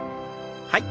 はい。